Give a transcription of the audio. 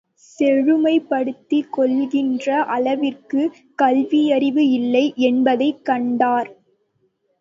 செழுமைப்படுத்திக் கொள்ளுகின்ற அளவிற்குக் கல்வியறிவு இல்லை என்பதைக் கண்டார்.